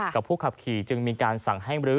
กับผู้ขับขี่จึงมีการสั่งให้มรื้อ